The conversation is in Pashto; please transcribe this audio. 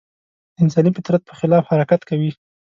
د انساني فطرت په خلاف حرکت کوي.